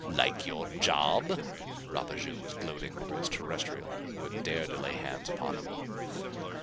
"Like your job?" Rapaju was gloating over this Terrestrial who had dared to lay hands upon him.